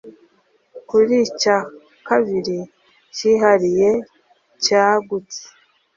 Kuri icya kabiri cyihariye cyagutse